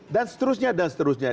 dan seterusnya dan seterusnya